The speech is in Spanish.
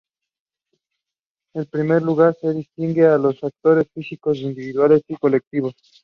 En primer lugar se distingue a los actores físicos o individuales y los colectivos.